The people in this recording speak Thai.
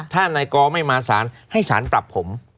ถ้านายกอไม่มาสารให้สารปรับผม